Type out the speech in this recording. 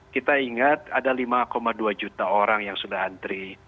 kita ingat ada lima dua juta orang yang sudah antri